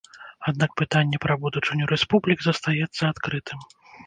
Аднак пытанне пра будучыню рэспублік застаецца адкрытым.